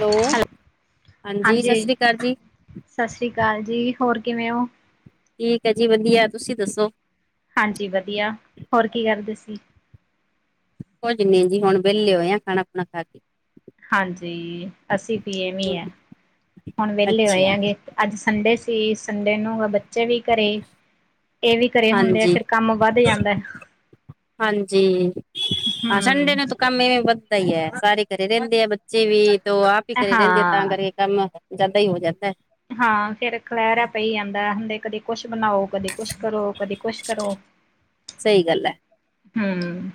ਲੋ ਹਾਂਜੀ ਸਸ ਸ਼੍ਰੀ ਕਾਲ ਜੀ। ਸਸ ਸ੍ਰੀ ਕਾਲ ਜੀ ਹੋਰ ਕਿਵੇਂ ਓ? ਠੀਕ ਐ ਜੀ ਵਧੀਆ ਤੁਸੀਂ ਦੱਸੋ? ਹਾਂਜੀ ਵਧੀਆ ਹੋਰ ਕੀ ਕਰਦੇ ਸੀ? ਕੁੱਝ ਨੀ ਜੀ ਹੁਣ ਵੇਲੇ ਹੋਏ ਆ ਖਾਣਾ-ਖੂਣਾ ਖਾ ਕੇ। ਹਾਂਜੀ, ਅਸੀ ਵੀ ਐਵੇਂ ਈ ਆ ਹੁਣ ਵੇਲੇ ਹੋਏ ਅੱਛਾ ਆ ਗੇ ਅੱਜ ਸੰਡੇ ਸੀ ਸੰਡੇ ਨੂੰ ਬੱ ਚੇ ਵੀ ਘਰੇ ਏ ਵੀ ਘਰੇ ਹੁੰਦੇ ਆ ਹਾਂਜੀ ਫੇਰ ਕੰਮ ਵੱਧ ਜਾਂਦੈ ਹਾਂਜੀ। ਹਾਂ ਸੰਡੇ ਹਮ। ਨੂੰ ਤਾਂ ਕੰਮ ਇਵੇਂ ਵੱਧਦਾ ਈ ਐ ਸਾਰੇ ਘਰੇ ਰੈਂਦੇ ਆ ਬੱਚੇ ਵੀ ਓ ਆਪ ਈ ਘਰੇ ਰੈਂਦੇ ਆ ਤਾ ਹਾਂ। ਕਰਕੇ ਕੰਮ ਜਾਦਾ ਈ ਹੋ ਜਾਂਦੈ। ਹਾਂ ਫੇਰ ਖਿਲਾਰਾ ਪਈ ਜਾਂਦਾ ਹੁੰਦੇ ਕਦੇ ਕੁਛ ਬਣਾਓ, ਕਦੇ ਕੁਛ ਕਰੋ, ਕਦੇ ਕੁਛ ਕਰੋ। ਸਈ ਗੱਲ ਐ। ਹੂੰ।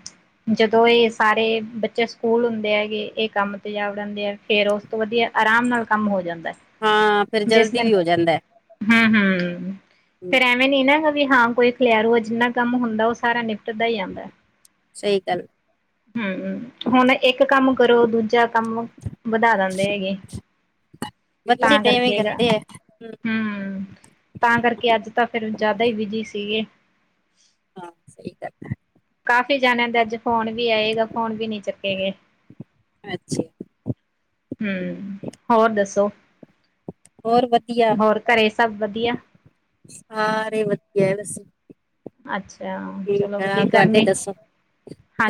ਜਦੋਂ ਏ ਸਾਰੇ ਬੱਚੇ ਸਕੂਲ ਹੁੰਦੇ ਹੈਗੇ ਏ ਕੰਮ ਤੇ ਜਾ ਬੜ ਅੰਦੇ ਐ ਫੇਰ ਓ ਤੋਂ ਵਧੀਆ ਆਰਾਮ ਨਾਲ ਕੰਮ ਹੋ ਜਾਂਦੈ ਹਾਂ ਫਿਰ ਜਿਸ ਜਲਦੀ ਦਿਨ ਵੀ ਹੋ ਜਾਂਦਾ ਹੂੰ-ਹੂੰ ਹੈ। ਫਿਰ ਐਵੇਂ ਨੀ ਨਾ ਹੈਗਾ ਵੀ ਹਾਂ ਕੋਈ ਖਿਲਾਰੂ ਜਿੰਨਾ ਕੰਮ ਹੁੰਦਾ ਓ ਸਾਰਾ ਨਿਪਟਦਾ ਈ ਜਾਂਦੈ। ਸਈ ਗੱਲ ਹੂੰ ਹੁਣ ਇੱਕ ਕੰਮ ਕਰੋ ਦੂਜਾ ਕੰਮ ਵਧਾ ਦਿੰਦੇ ਹੈਗੇ। ਬੱਚੇ ਤਾਂ ਤੇ ਐਵੇਂ ਕਰਕੇ ਗਾ। ਕਰਦੇ ਹੈ ਹੂੰ ਤਾਂ ਕਰਕੇ ਅੱਜ ਤਾਂ ਫਿਰ ਜਾਦਾ ਹੀ ਬਿਜੀ ਸੀਗੇ। ਹਾਂ ਸਈ ਗੱਲ ਐ। ਕਾਫੀ ਜਾਆਂ ਦੇ ਅੱਜ ਫੋਨ ਵੀ ਆਏਗਾ ਫੋਨ ਵੀ ਨੀ ਚੁੱਕੇ ਗਏ। ਅੱਛਾ ਹੰ, ਹੋਰ ਦੱਸੋਂ ਹੋਰ ਵਦੀਆ, ਘਰੇ ਸਭ ਵਧੀਆ? ਸਾਰੇ ਵਦੀਆ ਅਸੀ ਅੱਛਾ ਠੀਕ ਚਲੋ ਐ, ਵਧੀਆ ਤੁਹਾਡੇ ਗਰਮੀ ਦੱਸੋ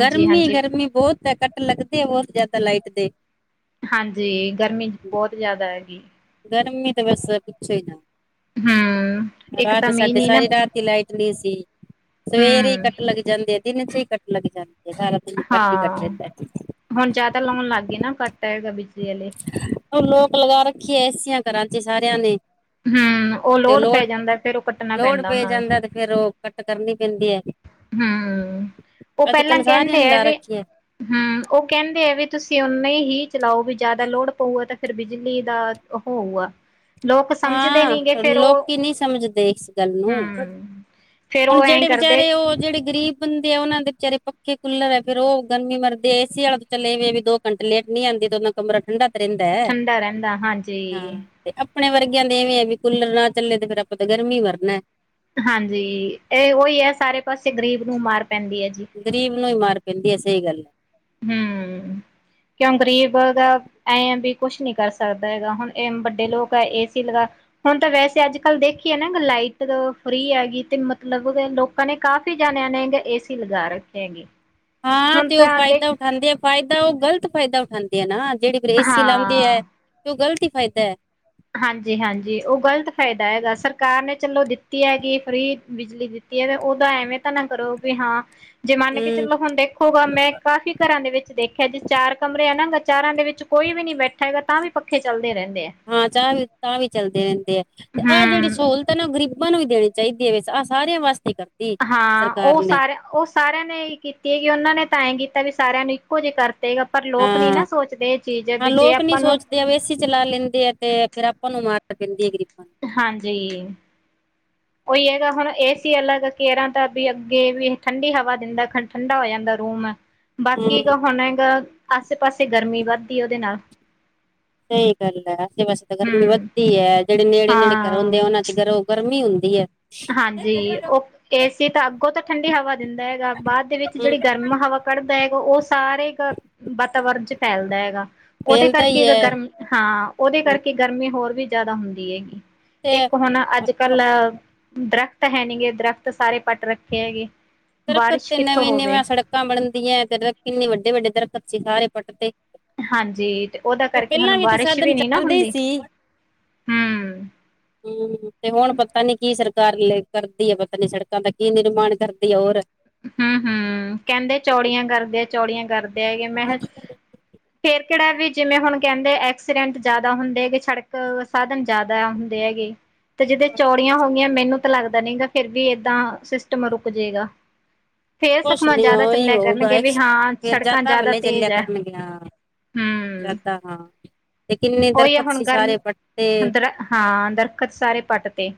ਗਰਮੀ ਹਾਂਜੀ ਗਰਮੀ ਬਹੁਤ ਐ ਲੱਗਦੇ ਆ ਬਹੁਤ ਜ਼ਿਆਦਾ ਲਾਈਟ ਦੇ ਹਾਂਜੀ, ਗਰਮੀ ਬਹੁਤ ਜ਼ਿਆਦਾ ਹੈਗੀ ਗਰਮੀ ਤਾਂ ਬਸ ਪੂਛੋ ਈ ਨਾ ਹੰ ਇੱਕ ਤਾਂ ਮੀਹ ਨੀ ਨਾ ਕੇ ਲਾਈਟ ਨਹੀਂ ਸੀ ਸਵੇਰੇ ਹੀ ਹੂੰ, ਕੱਟ ਲੱਗ ਜਾਂਦੇ ਦਿਨ ਚ ਹੀ ਕਟ ਲੱਗ ਜਾਂਦੇ ਸਾਰਾ ਕਟ ਹੀ ਕਟ ਰੰਹਦਾ ਫਿਰ ਤਾਂ ਲਾਉਣ ਲੱਗ ਗਏ ਨਾ ਕੱਟ, ਆ ਹੈਗਾ ਬਿਜਲੀ ਆਲੇ ਉਹ ਲੋਕ ਲਗਾ ਰੱਖੀ ਏ ਏਸੀਆਂ ਘਰਾਂ ਚ ਸਾਰਿਆਂ ਨੇ ਹੰ ਉਹ ਤੇ ਲੋਡ ਪੈ ਲੋੜ ਜਾਂਦਾ ਫੇਰ ਉਹ ਕੱਟਣਾ ਲੋੜ ਪੈਂਦਾ ਪੈ ਉਹਨਾਂ ਨੂੰ ਜਾਂਦਾ ਤੇ ਫੇਰ ਉਹ ਕੱਟ ਕਰਨੀ ਪੈਂਦੀ ਐ ਹੰ ਉਹ ਪਹਿਲਾਂ ਸਾਰਿਆਂ ਕਹਿੰਦੇ ਨੇ ਐ ਲਾ ਵੀ ਰੱਖੀ ਹੈ ਹੰ ਉਹ ਕਹਿੰਦੇ ਆ ਵੀ ਤੁਸੀਂ ਓਨੇ ਹੀ ਚਲਾਓ ਵੀ ਜ਼ਿਆਦਾ ਲੋੜ ਪਊਗਾ ਤਾਂ ਫਿਰ ਬਿਜਲੀ ਦਾ ਉਹ ਹੋਆ ਹਾਂ ਲੋਕੀ ਨਹੀ ਸਮਝਦੇ ਇਸ ਗੱਲ ਨੂੰ ਹੂੰ, ਫੇਰ ਹੁਨ ਉਹ ਐਂ ਜਿਹੜੇ ਕਰਦੇ ਵਿਚਾਰੇ, ਉਹ ਜਿਹੜੇ ਗਰੀਬ ਬੰਦੇ ਆ ਉਹਨਾਂ ਦੇ ਵਿਚਾਰੇ ਪੱਕੇ ਕੂਲਰ ਐ ਫੇਰ ਉਹ ਗਰਮੀ ਮਰਦੇ ਏ ਏਸੀ ਆਲਾ ਤੋਂ ਚਲੇ ਵੀ ਦੋ ਘੰਟੇ ਲੇਟ ਨਹੀਂ ਆਉਂਦੀ ਤੇ ਉਹਨਾਂ ਕਮਰਾ ਠੰਡਾ ਤੇ ਰਹਿੰਦਾ ਐ, ਠੰਡਾ ਰਹਿੰਦਾ ਹਾਂਜੀ। ਹਾਂ ਤੇ ਆਪਣੇ ਵਰਗਿਆਂ ਦੇ ਇਵੇਂ ਹੈ, ਵੀ ਕੂਲਰ ਨਾ ਚੱਲੇ ਤੇ ਫੇਰ ਆਪਾਂ ਤਾਂ ਗਰਮੀ ਮਰਨਾ ਐ ਹਾਂਜੀ, ਇਹ ਉਹੀ ਹੈ ਸਾਰੇ ਪਾਸੇ ਗ਼ਰੀਬ ਨੂੰ ਮਾਰ ਪੈਂਦੀ ਐ ਜੀ ਗਰੀਬ ਨੂੰ ਹੀ ਮਾਰ ਪੈਂਦੀ ਏ, ਸਹੀ ਗੱਲ ਐ ਹੂੰ, ਕਿਉਂ ਗਰੀਬ ਦਾ ਐ ਵੀ ਕੁਛ ਨੀ ਕਰ ਸਕਦਾ ਹੈਗਾ ਹੁਨ ਇਹ ਵੱਡੇ ਲੋਕ ਐ ਏ ਸੀ ਲਗਾ ਹੁਨ ਤਾਂ ਵੈਸੇ ਅੱਜ ਕੱਲ੍ਹ ਦੇਖੀਏ ਨਾ ਲਾਈਟ ਫ੍ਰਰੀ ਹੈਗੀ ਤੇ ਮਤਲਬ ਫੇਰ ਲੋਕ ਲੋਕਾ ਨੇ ਕਾਫੀ ਜਣਿਆਂ ਨੇ ਗੇ ਏਸੀ ਲਗਾ ਰੱਖੇ ਹੈੰਗੇ ਹਾਂ ਤੇ ਉਹ ਫਾਇਦਾ ਉਠਾੰਦੇ ਨਾ ਫਾਇਦਾ ਉਹ ਗ਼ਲਤ ਫਾਇਦਾ ਉਠਾਉਂਦੇ ਆ ਨਾ ਜਿਹੜੇ ਫਿਰ ਏਸੀ ਲਾਉਂਦੇ ਐ ਹਾਂ ਤੇ ਓ ਗਲਤ ਈ ਫਾਇਦਾ ਹੈ ਹਾਂਜੀ-ਹਾਂਜੀ ਉਹ ਗ਼ਲਤ ਫ਼ਾਇਦਾ ਹੈਗਾ ਸਰਕਾਰ ਨੇ ਚਲੋ ਦਿੱਤੀ ਹੈਗੀ ਫ੍ਰਰੀ ਬਿਜਲੀ ਦਿੱਤੀ ਤੇ ਉਹਦਾ ਐਵੇਂ ਤਾਂ ਨਾ ਕਰੋ ਵੀ ਹਾਂ ਜੇ ਮੰਨ ਕੇ ਹੂੰ ਚਲੋ ਹੁਨ ਦੇਖੋਗਾ ਮੈਂ ਕਾਫ਼ੀ ਘਰਾਂ ਦੇ ਵਿੱਚ ਦੇਖਿਆ ਜੇ ਚਾਰ ਕਮਰੇ ਆਨਾ ਗ ਚਾਰਾਂ ਦੇ ਵਿੱਚ ਕੋਈ ਵੀ ਨੀ ਬੈਠਾ ਹੈਗਾ, ਤਾਂ ਵੀ ਪੱਖੇ ਚੱਲਦੇ ਰਹਿੰਦੇ ਆ ਹਾਂ ਚਾਹ ਵੀ ਤਾ ਵੀ ਚੱਲਦੇ ਰਹਿੰਦੇ ਆ ਆਹ ਜਿਹੜੀ ਹਮ ਸਹੂਲਤ ਹੈ ਨਾ ਉਹ ਗਰੀਬ ਨੂੰ ਵੀ ਦੇਨੀ ਚਾਹੀਦੀ ਐ ਆਹ ਸਾਰਿਆਂ ਵਾਸਤੇ ਕਰ ਹਾਂ, ਉਹ ਸਾਰਿਆਂ ਉਹ ਸਾ ਸਾਰਿਆਂ ਨੇ ਈ ਕੀਤੀ ਹੈਗੀ ਉਹਨਾਂ ਨੇ ਤਾਂ ਐਂ ਕੀਤਾ ਵੀ ਸਾਰਿਆਂ ਨੂੰ ਇੱਕੋ ਜਿਹੇ ਕਰਤੇਗਾ ਪਰ ਲੋਕ ਨੀ ਹਾਂ ਨਾ ਸੋਚਦੇ ਇਹ ਚੀਜ਼ ਹਾਂ ਵੀ ਜੇ ਲੋਕ ਨੀ ਆਪਾਂ ਨੂੰ ਸੋਚਦੇ ਏਸੀ ਚਲਾ ਲੈਂਦੇ ਆ, ਤੇ ਫੇਰ ਆਪਾਂ ਨੂੰ ਮਾਰ ਦੈਂਦੀ ਹੈ ਗਰੀਬੀ ਹਾਂਜੀ ਉਹੀ ਹੈਗਾ ਹੁਨ ਏ-ਸੀ ਅਲੱਗ ਕੇਰਾਂ ਦਾ ਵੀ ਅੱਗੇ ਵੀ ਠੰਡੀ ਹਵਾ ਦਿੰਦਾ ਖਾ ਠੰਡਾ ਹੋ ਜਾਂਦਾ ਰੂਮ ਨੂੰ ਬਾਕੀ ਹਮ ਕੁ ਹੁਨ ਹੈਗਾ ਆਸੇ ਪਾਸੇ ਗਰਮੀ ਵੱਧਦੀ ਉਹਦੇ ਨਾਲ ਸਹੀ ਗੱਲ ਐ ਆਸੇ ਪਾਸੇ ਤਾਂ ਗਰਮੀ ਹਮ ਵੱਧਦੀ ਹੈ, ਜਿਹੜੇ ਨੇੜੇ-ਨੇੜੇ ਹਾਂ ਘਰੋਂਂਦੇ ਆ ਉਹਨਾਂ ਚ ਗਰੋਂ ਗਰਮੀ ਹੁੰਦੀ ਹੈ। ਹਾਂਜੀ ਉਹ ਏ ਸੀ ਤਾਂ ਅੱਗੋਂ ਤਾਂ ਠੰਡੀ ਹਵਾ ਦਿੰਦਾ ਹੈਗਾ ਬਾਅਦ ਦੇ ਵਿੱਚ ਹਮ ਜਿਹੜੀ ਗਰਮ ਹਵਾ ਕੱਢਦਾ ਹੈਗਾ ਉਹ ਸਾਰੇ ਵਾਤਾਵਰਨ ਚ ਫੈਲਦਾ ਹੈਗਾ ਉਹਦੇ ਫੈਲਦਾ ਕਰਕੇ ਹੀ ਹੈ ਗਰਮ ਹਾਂ ਉਹਦੇ ਕਰਕੇ ਗਰਮੀ ਹੋਰ ਵੀ ਜ਼ਿਆਦਾ ਹੁੰਦੀ ਹੈਗੀ ਤੇ ਇੱਕ ਹੁਣ ਅੱਜ ਦਰਖਤ ਕੱਲ੍ਹ ਦਰਖਤ ਹੈ ਨਹੀਂ ਗੇ ਦਰਖਤ ਸਾਰੇ ਪੱਟ ਰੱਖੇ ਹੈਗੇ ਦਰਖਤ ਬਾਰਿਸ਼ ਤੇ ਕਿੱਥੋਂ ਨਵੀਂ ਹੋਵੇ ਨਵੀਆਂ ਸੜਕਾਂ ਬਣਦੀਆਂ ਤੇ ਦਰਖਤ ਕਿੰਨੇ ਵੱਡੇ ਵੱਡੇ ਦਰਖਤ ਸੀ। ਸਾਰੇ ਪੱਟ ਤੇ ਹਾਂਜੀ ਤੇ ਉਹਦਾ ਕਰਕੇ ਹੁਣ ਪਹਿਲਾਂ ਤੇ ਬਾਰਿਸ਼ ਸਾਧਨ ਵੀ ਨੀ ਨਾ ਚੱਲਦੇ ਹੀ ਹੁੰਦੀ। ਸੀ ਹੂ ਹੂ ਤੇ ਹੁਣ ਪਤਾ ਨੀ ਕੀ ਸਰਕਾਰ ਲ ਕਰਦੀ ਹੈ ਪਤਾ ਨੀ ਸੜਕਾਂ ਦਾ ਕੀ ਨਿਰਮਾਣ ਕਰਦੀ ਤੇ ਹੋਰ ਹੂ ਹੂ ਕਹਿੰਦੇ ਚੌੜੀਆਂ ਕਰਦੇ ਆ ਚੌੜੀਆਂ ਕਰਦੇ ਐ ਮੈਂ ਹੈ ਅੱਜ ਕੱਲ ਫੇਰ ਕਿਹੜਾ ਵੀ ਜਿਵੇਂ ਹੁਣ ਕਹਿੰਦੇ ਐਕਸੀਡੈਂਟ ਜਿਆਦਾ ਹੁੰਦੇ ਹੈਗੇ ਸੜਕ ਸਾਧਨ ਜ਼ਿਆਦਾ ਹੁੰਦੇ ਹੈਗੇ। ਤੇ ਜਿਦਾਂ ਚੌੜੀਆਂ ਹੋ ਗਈਆਂ ਮੈਨੂੰ ਤਾਂ ਲੱਗਦਾ ਨੀ ਗ ਫਿਰ ਵੀ ਏਦਾਂ ਸਿਸਟਮ ਰੁਕ ਜੇਗਾ। ਫੇਰ ਕੁਛ ਸੁਖਮਾ ਨੀ ਜ਼ਿਆਦਾ ਉਵੇਂ ਚੱਲਿਆ ਹੋਊਗਾ ਕਰਨਗੇ ਵੀ ਹਾਂ ਫਿਰ ਜਾ ਸੜਕਾਂ ਤਾਂ ਜ਼ਿਆਦਾ ਵੱਲ ਤੇਜ਼ ਚੱਲਿਆ ਹੈ ਕਰਨ ਗਿਆ। ਹੂੰ। ਜਾਂਦਾ ਹਾਂ। ਤੇ ਕਿੰਨੇ ਉਹੀ ਆ, ਦਰਖਤ ਹੁਣ ਸੀ ਸਾਰੇ ਪੱਟਤੇ ਗਰਮੀ ਦਰ ਹਾਂ ਦਰਖੱਤ ਸਾਰੇ ਪੱਟ ਤੇ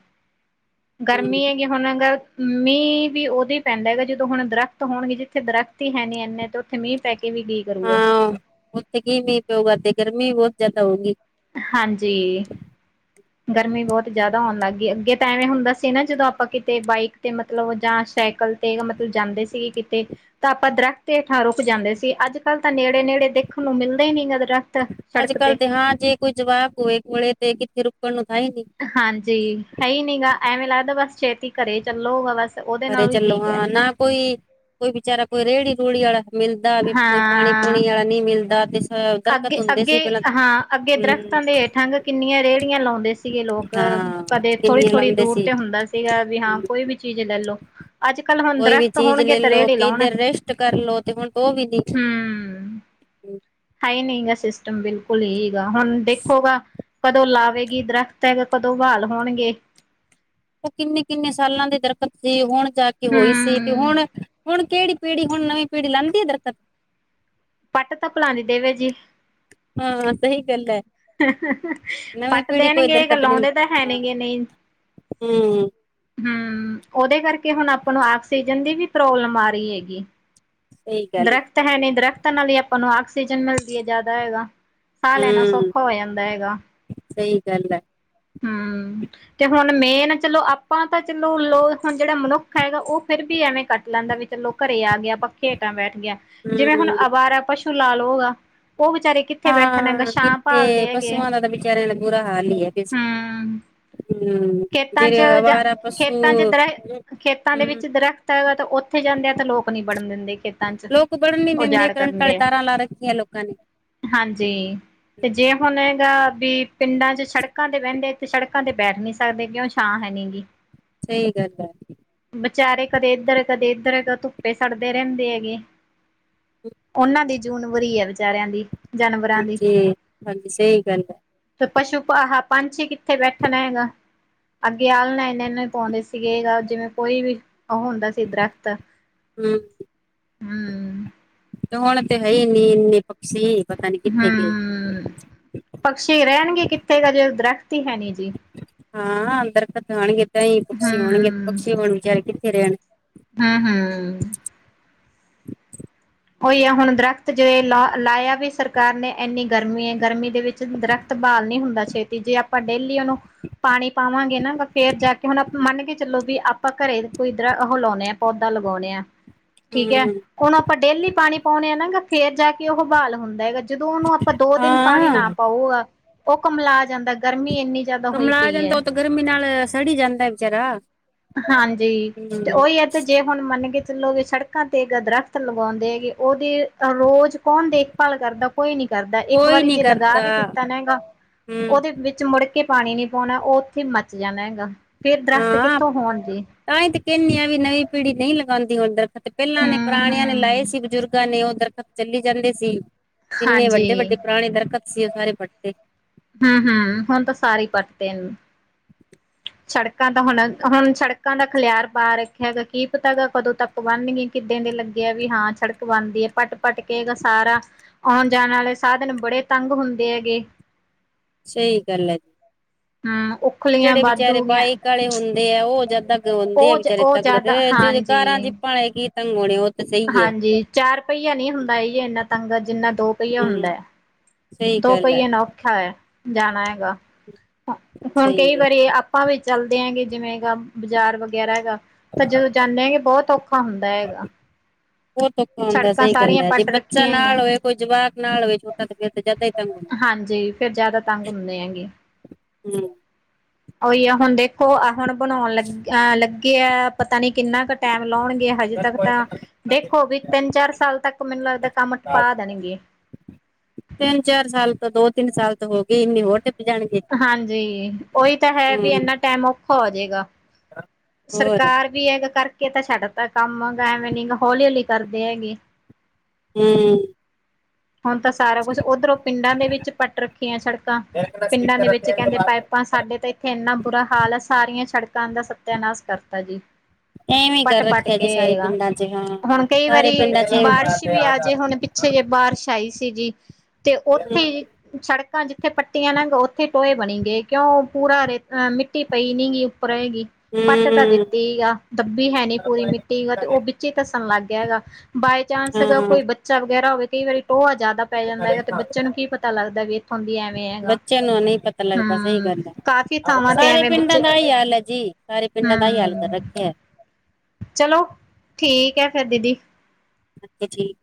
ਹਮ ਗਰਮੀ ਏ ਹੁਣ ਅਗਰ ਮੀਂਹ ਵੀ ਉਦੋਂ ਹੀ ਪੈਂਦਾ ਆ ਜਦੋਂ ਹੁਣ ਦਰਖਤ ਹੋਣਗੇ ਜਿੱਥੇ ਦਰਖਤ ਦਰੱਖਤ ਤੇ ਹੈਨੀ ਇਨੇ ਤੇ ਉੱਥੇ ਮੀਂਹ ਪੈ ਕੇ ਵੀ ਕੀ ਕਰੂਗਾ। ਹਾਂ, ਉੱਥੇ ਕੀ ਮੀਂਹ ਪਊਗਾ ਤੇ ਗਰਮੀ ਵੀ ਬਹੁਤ ਜ਼ਿਆਦਾ ਹੋਊਗੀ। ਹਾਂਜੀ। ਗਰਮੀ ਬਹੁਤ ਜ਼ਿਆਦਾ ਹੋਣ ਲੱਗ ਗਈ ਐ। ਅੱਗੇ ਤਾਂ ਐਵੇਂ ਹੁੰਦਾ ਸੀ‌ ਨਾ ਜਦੋਂ ਆਪਾਂ ਕਿਤੇ ਬਾਈਕ ਤੇ ਮਤਲਬ ਜਾਂ ਸਾਈਕਲ ਤੇ ਮਤਲਬ ਜਾਂਦੇ ਸੀ ਕਿਤੇ ਤਾਂ ਆਪਾਂ ਦਰੱਖ਼ਤ ਹੇਠਾਂ ਰੁਕ ਜਾਂਦੇ ਸੀ, ਅੱਜ ਕੱਲ੍ਹ ਤਾਂ ਨੇੜੇ ਨੇੜੇ ਦੇਖਣ ਨੂੰ ਮਿਲਦੇ ਹੀ ਨਹੀਂ ਦਰੱਖਤ ਅੱਜ ਕੱਲ੍ਹ ਤੇ ਹਾਂ ਜੇ ਕੋਈ ਜਵਾਕ ਹੋਵੇ ਕੋਲੇ ਤੇ ਕਿੱਥੇ ਰੁਕਣ ਨੂੰ ਥਾਂ ਹੀ ਨਹੀਂ ਹਾਂਜੀ ਹੈ ਹੀ ਨੀ ਗਾ ਐਵੇਂ ਲੱਗਦਾ ਬਸ ਛੇਤੀ ਘਰੇ ਚੱਲੋ ਬਸ ਉਹਦੇ ਘਰੇ ਨਾਲ ਵੀ ਚੱਲੋ ਠੀਕ ਹੈ ਹਾਂ ਨਾ ਕੋਈ ਕੋਈ ਵਿਚਾਰਾ ਕੋਈ ਰੇਹੜੀ ਰੂਹੜੀ ਵਾਲਾ ਮਿਲਦਾ ਵੀ ਕੋਈ ਪਾਣੀ ਪੂਣੀ ਵਾਲਾ ਨਹੀਂ ਮਿਲਦਾ ਤੇ ਸ ਅੱਗੇ ਅੱਗੇ ਹਾਂ ਅੱਗੇ ਦਰੱਖਤਾਂ ਦੇ ਹੇਠਾਂ ਕਿੰਨੀਆਂ ਰੇਹੜੀਆਂ ਲਾਉਂਦੇ ਸੀਗੇ ਲੋਕ ਹਾਂ ਕਦੇ ਥੋੜੀ ਕਿੰਨੀਆਂ ਥੋੜ੍ਹੀ ਲਾਉਂਦੇ ਦੂਰ ਸੀ ਤੇ ਹੁੰਦਾ ਸੀਗਾ ਵੀ ਹਾਂ, ਕੋਈ ਵੀ ਚੀਜ਼ ਲੈ ਲੋ ਅੱਜ ਕੱਲ ਹੁਣ ਕੋਈ ਵੀ ਦਰੱਖਤ ਚੀਜ਼ ਹੋਣਗੇ ਲੈ ਤੇ ਲੋ ਰੇੜੇ ਲਾਉਣ ਹੂ ਕਿਧਰ ਰੈਸਟ ਕਰ ਲੋ ਤੇ ਹੁਣ ਉਹ ਵੀ ਨੀ ਹੈ ਹੀ ਨਹੀਂ ਗਾ ਸਿਸਟਮ ਬਿਲਕੁਲ ਏ ਈ ਗਾ ਹੁਣ ਦੇਖੋਗਾ ਕਦੋਂ ਲਾਵੇਗੀ ਦਰਖਤ ਹੈਗਾ ਕਦੋਂ ਬਹਾਲ ਹੋਣਗੇ। ਉਹ ਕਿੰਨੇ ਕਿੰਨੇ ਸਾਲਾਂ ਦੇ ਦਰਖਤ ਸੀ, ਹੁਣ ਜਾ ਕੇ ਹੋਈ ਸੀ ਤੇ ਹੂੰ। ਹਣੁ ਹੁਣ‌ ਕੇੜੀ ਪੀੜ੍ਹੀ ਹੁਣ ਨਵੀਂ ਪੀੜ੍ਹੀ ਲਾਉਂਦੀ ਆ ਦਰਖਤ ਪੱਟ ਤਾਂ ਭਲਾਵਾ ਦੇਵੇ ਜੀ। ਹਾਂ ਸਹੀ ਗੱਲ ਹੈ। ਨਵੀਂ ਪੱਟ ਪੀੜ੍ਹੀ ਕੋਈ ਦੇਣਗੇ ਦਰਕਤ ਨੀ ਲਾਉਂਦੇ ਤਾਂ ਹੈ ਹਾਂ ਨੇ ਗੇ ਨਹੀਂ ਹੂੰ ਹੂ ਉਹਦੇ ਕਰਕੇ ਹੁਣ ਆਪਾਂ ਨੂੰ ਆਕਸੀਜਨ ਦੀ ਵੀ ਪ੍ਰੋਬਲਮ ਆ ਰਹੀ ਹੈਗੀ। ਸਹੀ ਗੱਲ ਦਰੱਖਤ ਹੈ ਨੀ ਦਰੱਖਤਾਂ ਨਾਲ ਹੀ ਆਪਾਂ ਨੂੰ ਆਕਸੀਜਨ ਮਿਲਦੀ ਹੈ ਜ਼ਿਆਦਾ ਹੈਗਾ ਸਾਹ ਲੈਣਾ ਹੂੰ ਸੌਖਾ ਹੋ ਜਾਂਦਾ ਹੈਗਾ। ਸਹੀ ਗੱਲ ਹੈ। ਹੂ ਤੇ ਹੁਣ ਮੇਨ, ਚੱਲੋ ਆਪਾਂ ਤਾਂ ਚੱਲੋ ਲੋ ਹੁਣ ਜਿਹੜਾ ਮਨੁੱਖ ਹੈਗਾ ਉਹ ਫਿਰ ਵੀ ਐਵੇਂ ਕੱਟ ਲੈਂਦਾ, ਵੀ ਚਲੋ ਘਰੇ ਆ ਗਿਆ, ਪੱਖੇ ਹੇਠਾਂ ਬੈਠ ਗਿਆ ਜਿਵੇਂ ਹੁਣ ਹੂੰ ਅਵਾਰਾ ਪਸ਼ੂ ਲਾਲ ਲਉਗਾ ਉਹ ਵਿਚਾਰੇ ਕਿੱਥੇ ਬੈਠਣ ਹੈਗਾ ਹਾਂ ਛਾਂ ਕਿੱਥੇ ਭਾਲਦੇ ਹੈਗੇ ਪਸੂਆਂ ਦਾ ਤਾਂ ਵਿੱਚ ਵਿਚਾਰਿਆਂ ਨਾਲ ਬੁਰਾ ਹਾਲ ਹੀ ਹੈ ਜੀ ਹੂੰ ਹੂੰ। ਖੇਤਾਂ ਚ ਜਿਹੜੇ ਜਾਂ ਅਵਾਰਾ ਪਸੂ ਖੇਤਾਂ ਚ ਦਰਖਤ, ਖੇਤਾਂ ਦੇ ਹੂੰ ਵਿੱਚ ਦਰਖਤ, ਤਾਂ ਹੈਗਾ ਔਥੇ ਜਾਂਦੇ ਆ ਤਾਂ ਲੋਕ ਨੀ ਬਨਨ ਦਿੰਦੇ ਕਿ ਲੋਕ ਬੜਨ ਨੀ ਦਿੰਦੇ ਕਰੰਟ ਆਲੀ ਤਾਰਾਂ ਲਾ ਰੱਖੀਆਂ ਲੋਕਾਂ ਨੇ। ਹਂਜੀ, ਤੇ ਜੇ ਹੁਨ ਹੈਗਾ ਵੀ ਪਿੰਡਾਂ ਚ ਸੜਕਾਂ ਤੇ ਬੈਂਦੇ ਤੇ ਸੜਕਾਂ ਤੇ ਬੈਠ ਨਹੀਂ। ਸਾਡੇ ਕਿਉਂ ਛਾਂ ਹੈ ਨਹੀਂ ਜੀ। ਸਹੀ ਗੱਢ ਹੈ। ਵਿਚਾਰੇ ਕਦੇ ਇੱਧਰ ਕਦੇ ਇੱਧਰ ਧੁੱਪੇ ਸੜਦੇ ਰੈੱਦੇ ਹੈਗੇ। ਉਨਾਂ ਦੀ ਜੂਨ ਬੁਰੀ ਹੈ ਵਿਚਾਰਿਆਂ ਦੀ। ਜਾਨਵਰਾਂ ਦੀ। ਹਂਜੀ, ਹਂਜੀ ਸਹੀ ਗੱਲ ਹੈ। ਤੇ ਪਸ਼ੂ ਆਹਾ ਪੰਛੀ ਕਿੱਥੇ ਬੈਠਨਾ ਹੈਗਾ। ਅੱਗੇ ਆਲਨਾ ਇਨੇ ਇਨ ਹੀ ਪਾਂਦੇ ਸੀਗੇ। ਜਿਵੇਂ ਕੋਈ ਵੀ ਔਹ ਹੁੰਦਾ ਸੀ ਦਰੱਖ਼ਤ ਹੂੰ। ਹਾਂ। ਹਨ ਤੇ ਹੈ ਨੀ ਇੰਨੇ ਪਕਛੀ ਪਤਾ ਨੀ ਕਿੱਥੇ ਗਏ। ਹੂੰ ਪਕਸ਼ੀ ਰਹਿਨਗੇ ਕਿੱਥੇ ਜੇ ਦਰੱਖ਼ਤ ਹੀ ਹੈ ਨਹੀਂ ਜੀ। ਹਾਂ ਅੰਦਰ ਤਾਂ ਜਾਨਗੇ ਹੀ ਪਕਸ਼ੀ ਹੋਨਗੇ ਹੂੰ ਪਕਸ਼ੀ ਹੁਨ ਵਿਚਾਰੇ ਕਿੱਥੇ ਰੈਨਗੇ। ਹਾਂ -ਹਾਂ- ਹਾ- ਔਹੀ ਹੈ ਹੁਨਦਰੱਖ਼ਤ ਜੇ ਲਾ ਲਾਇਆ ਵੀ ਸਰਕਾਰ ਨੇ ਇੰਨੀ ਗਰਮੀ ਏ ਗਰਮੀ ਦੇ ਵਿੱਚ ਦਰੱਖ਼ਤ ਬਹਾਲ ਨਹੀਂ ਹੁੰਦਾ ਛੇਤੀ ਜੇ ਆਪਾਂ ਡੇਲੀ ਉਨੂੰ ਪਾਨੀ ਪਾਵਾਂਗੇ ਨਾ। ਫੇਰ ਜਾ ਕੇ ਹੁਨ ਮੰਨ ਕੇ ਚਲੋ ਵੀ ਆਪਾਂ ਘਰੇ ਕੋਈ ਪੋਧਾ ਲਾਗਾਉਨੇ ਆਂ ਪੌਦਾ ਲਗਾਉਂਨੇ ਆਂ। ਠੀਕ ਹੈ ਹੂੰ ਹੁਨ ਆਪਾਂ ਡੇਲੀ ਪਾਨੀ ਪਾਉਨੇ ਆ ਨਾ ਫੇਰ ਜਾ ਕੇ ਔਹ ਬਾਹਾਲ ਹੁੰਦਾ ਹੈਗਾ। ਜਦੋਂ ਉਨੂੰ ਆਪਾਂ ਦੋ ਦਿਨ ਪਾਨੀ ਨਾ ਹਾਂ ਪਾਉ ਆ ਔਹ ਕੁਮਲਾ ਜਾਂਦਾ ਗਰਮੀ ਇੰਨੀ। ਜ਼ਿਆਦਾ ਹੋਈ ਕੁਮਲਾ ਪਈ ਜਾਂਦਾ ਹੈ ਔਹ ਤਾਂ ਗਰਮੀ ਨਾਲ ਸੜ ਈ ਜਾਂਦਾ ਵਿਚਾਰਾ। ਹਂਜੀ, ਤੇ ਹੂੰ ਔਹੀ ਏ। ਤੇ ਜੇ ਹੁਨ ਮੰਨ ਕੇ ਚਲੋਗੇ ਸੜਕਾਂ ਤੇ ਦਰੱਖ਼ਤ ਲਗਾਉਂਦੇ ਹੈਗੇ। ਔਹਦੀ ਰੋਜ਼ ਕੋਨ ਦੇਖ ਭਲ ਕਰਦਾ, ਕੋਈ ਨੀ ਕਰਦਾ। ਇੱਕ ਕੋਈ ਵਾਰੀ ਨੀ ਜੇ ਲਗਾ ਕਰਦਾ ਵੀ ਦਿੱਤਾ ਨ ਹੈਗਾ। ਹੂੰ ਉਹਦੇ ਵਿੱਚ ਮੁੜ ਕੇ ਪਾਨੀ ਨੀ ਪਾਉਨਾ ਔਹ ਉੱਥੇ ਮੱਚ ਜਾਨਾ ਹੈਗਾ। ਫੇਰ ਦਰੱਖ਼ਤ ਕਿੱਥੋਂ ਹੋਨ ਗੇ। ਤਾਂਹੀ ਤੇ ਕੈਂਦੇ ਹਾਂ ਵੀ ਨਵੀਂ ਪੀੜੀ ਨਹੀਂ ਲਗਾਉਂਦੀ ਉੁੰਦਰ। ਤੇ ਨੇ ਹੂੰ ਪੁਰਾਨੀਆਂ ਨੇ ਲਾਏ ਹੂੰ ਸੀ ਬਜ਼ੁਰਗਾਂ ਨੇ ਔਹ ਚੱਲੀ ਜੈਂਦੇ ਸੀ। ਕਿੰਨੇ ਹਾਂਜੀ ਵੱਡੇ ਵੱਡੇ ਪੁਰਾਨੇ ਦਰੱਖ਼ਤ ਸੀ ਔਹ ਸਾਰੇ ਫਟਗਏ। ਹਾਂ ਹਾਂ ਹੁਨ ਤਾਂ ਸਾਰੇ ਪਟਦੇਨ। ਸੜਕਾਂ ਤਾਂ ਹੁਨ ਹੁਨ ਸੜਕਾਂ ਦਾ ਖਿਲਿਆਰ ਬਾਹ ਰੱਖਿਆ ਹੈਗਾ ਕੀ ਪਤਾ ਗਾ ਕਦੋਂ ਤੱਕ। ਬੰਨ ਨੀਕਿਤੀ ਦੇ ਲੱਗਿਆ ਵੀ ਹਾਂ ਸੜਕ ਬਨਦੀ ਹੈ ਪੱਟ ਪੱਟ ਕੇਗਾ ਸਾਰਾ ਆਉਨ ਜਾਨ ਵਾਲੇ ਸਾਧਨ ਬੜੇ ਤੰਗ ਹੁੰਦੇ ਹੈਗੇ। ਸਹੀ ਗੱਲ ਹੈ ਜੀ। ਹਾਂ ਊ। ਜੇੜੇ ਵਿਚਾਰੇ ਬਾਇਕ ਆਲੇ ਹੁੰਦੇ ਆ। ਔਹ ਜਦਤੱਕ ਰੋਵਂਉਦੇ ਆ ਉਹ ਵਿਚਾਰੇ ਉਹ ਜ਼ਿਆਦਾ ਤੰਗਦੇ ਜਿ ਕਾਰਾਂ ਚ ਹਾਂਜੀ ਆਪਾਂ ਕੀ ਤੰਗ ਹੋਨੇ ਔਹ ਤਾਂ ਸਹੀ ਹੈ। ਹਾਂਜੀ ਚਾਰ ਪਹੀਆ ਨੀ ਹੁੰਦਾ ਇੰਨਾ ਤੰਗਾ ਜਿੰਨਾ ਦੋ। ਪਹੀਆ ਹਮ ਹੁੰਦਾ ਹੈ, ਸਹੀ ਦੋ ਗੱਲ ਹੈ ਪਹੀਏ ਨੇ ਔਖਾ ਹੈ, ਜਾਨਾ ਹੈਗਾ। ਸਹੀ ਹੁਨਕਈ ਹੈ ਵਾਰੀ ਆਪਾਂ ਵੀ ਚੱਲਦੇ ਹਗੇ ਜਿਵੇਂ ਬਾਜ਼ਾਰ ਵਗੈਰਾ ਹੈਗਾ। ਤਾਂ ਜਦੋਂ ਬੋੱਤ ਔਖਾ ਹੁੰਦਾ ਹੈਗਾ। ਬੋੱਤ ਔਖਾਂ ਹੁੰਦਾ ਦਾ ਸੜਕਾਂ ਸਹੀ ਗੱਲ ਸਾਰੀਆਂ ਹੈ। ਜੇ ਪੱਟ ਬੱਚਾ ਰੱਖੀਆਂ ਹੈਗੀਆਂ ਨਾਲ ਹੋਵੇ ਕੋਈਜਵਾਕ ਨਾਲ ਹੋਵੇ ਛੋਟਾ ਤੇ ਪਿਤਰ ਤੇ ਜੈਦਾ ਹੀ। ਤੰਗ ਹੁੰਦਾ ਹਾਂਜੀ, ਫੇਰ ਜਿਆਦਾ ਤੰਗ ਹੁੰਦੇ ਹੈਗੇ। ਹੂੰ। ਉਹੀ ਆ ਹੁਣ ਦੇਖੋ ਆ ਹੁਣ ਬਣਾਉਣ ਲੱ ਅਹ ਲੱਗੇ ਆ। ਪਤਾ ਨੀ ਕਿੰਨਾ ਕੁ ਟਾਈਮ ਲਾਉਣਗੇ, ਹਜੇ ਤੱਕ ਤਾਂ ਦੇਖੋ ਵੀ ਤਿੰਨ ਚਾਰ ਸਾਲ ਤੱਕ ਮੈਨੂੰ ਲੱਗਦਾ ਕੰਮ ਟਪਾ ਦੇਣਗੇ। ਤਿੰਨ ਚਾਰ ਸਾਲ ਤੋਂ ਦੋ ਤਿੰਨ ਸਾਲ ਤੋਂ ਹੋ ਗਏ ਹਟੇ। ਹਾਂਜੀ, ਉਹੀ ਤਾਂ ਹੈ ਵੀ ਹਮ ਇਨਾ ਟਾਈਮ ਔਖਾ ਹੋ ਜਾਏਗਾ। ਹੋਰ ਸਰਕਾਰ ਵੀ ਹੈਗਾ ਕਰਕੇ ਤਾਂ ਛੱਡ ਤਾ ਕੰਮ, ਹੈਗਾ ਐਵੇਂ ਨੀ ਹੌਲੀ ਹੌਲੀ ਕਰਦੇ ਹੈਗੇ। ਹੂੰ। ਹੁਣ ਤਾਂ ਸਾਰਾ ਕੁਛ ਓਧਰੋਂ ਪਿੰਡਾਂ ਦੇ ਵਿੱਚ ਪੱਟ ਰੱਖੀਆਂ ਸੜਕਾਂ, ਪਿੰਡਾਂ ਦੇ ਵਿੱਚ ਕਹਿੰਦੇ ਪਾਈਪ ਹਾਂ ਸਾਡੇ ਤਾਂ ਇੱਥੇ ਇੰਨਾ ਬੁਰਾ ਹਾਲ ਹੈ, ਸਾਰੀਆਂ ਸੜਕਾਂ ਦਾ ਸਤਿਆਨਾਸ਼ ਕਰਤਾ ਜੀ। ਐਵੇਂ ਕਰ ਪੱਟ- ਪੱਟ ਰੱਖਿਆ ਜੀ ਸਾਰੇ ਕੇਏਗਾ ਪਿੰਡਾਂ ਚ ਹਾਂ ਹੁਣ ਕਈ ਸਾਰੇ ਵਾਰੀ ਪਿੰਡਾਂ ਚ ਬਾਰਿਸ਼ ਵੀ ਆ ਜੇ ਹੁਣ ਪਿਛੇ ਜਿਹੇ ਬਾਰਿਸ਼ ਆਈ ਸੀ ਜੀ, ਤੇ ਉੱਥੇ ਹਮ ਸੜਕਾਂ ਜਿੱਥੇ ਪੱਟੀਆਂ ਲਗ ਉੱਥੇ ਟੋਏ ਬਣੀ ਗਏ। ਕਿਉਂ ਪੂਰਾ ਰੇ ਮਿੱਟੀ ਪਈ ਨੀ ਗੀ ਉੱਪਰ ਹੈਗੀ। ਪੱਟ ਤਾਂ ਹਮ ਦਿੱਤੀ ਆ, ਦੱਬੀ ਹੈ ਨੀ ਪੂਰੀ ਮਿੱਟੀ, ਗ ਤੇ ਉਹ ਵਿੱਚ ਧੱਸਣ ਲੱਗ ਗਿਆ ਹੈਗਾ। ਬਾਏ ਚਾਂਸ ਹੈਗਾ ਹਾਂ ਕੋਈ ਬੱਚਾ ਵਗੈਰਾ ਹੋਵੇ ਕਈ ਵਾਰੀ ਟੋਆ ਜ਼ਿਆਦਾ ਪੈ ਜਾਂਦਾ ਹੈਗਾ, ਤੇ ਬੱਚਿਆਂ ਨੂੰ ਕੀ ਪਤਾ ਲੱਗਦਾ ਵੀ ਇੱਥੋਂ ਦੀ ਐਵੇਂ ਹੈਗਾ। ਬੱਚਿਆਂ ਨੂੰ ਨਹੀਂ ਪਤਾ ਲੱਗਦਾ ਸਹੀ ਹਮ ਗੱਲ ਹੈ, ਕਾਫ਼ੀ ਥਾਵਾਂ ਤੇ ਸਾਰੇ ਐਵੇਂ ਪਿੰਡਾਂ ਬੱਚੇ ਦਾ ਇਹੀ ਹਾਲ ਹੈ ਜੀ, ਸਾਰੇ ਪਿੰਡਾਂ ਦਾ ਇਹੀ ਹਾਲ ਕਰ ਹਮ ਰੱਖਿਆ। ਚਲੋ ਠੀਕ ਹੈ, ਫਿਰ ਦੀਦੀ। ਅੱਛਾ ਠੀਕ।